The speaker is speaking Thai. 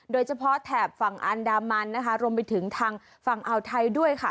โดยเฉพาะแถบฝั่งอันดามัณฑ์นะคะรวมไปถึงทางฝั่งอาวไทยด้วยค่ะ